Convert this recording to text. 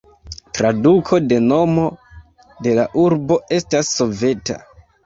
Traduko de nomo de la urbo estas "soveta".